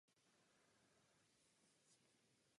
Evropou se postupně šíří směrem na sever.